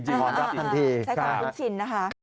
ใช้ความคุ้นชินนะคะ